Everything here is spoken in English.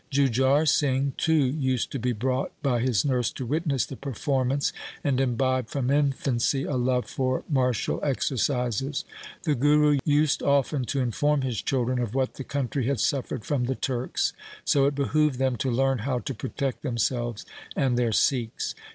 Jujhar Singh too used to be brought by his nurse to witness the performance and imbibe from infancy a love for martial exer cises. The Guru used often to inform his children of what the country had suffered from the Turks, so it behoved them to learn how to protect them selves and their Sikhs.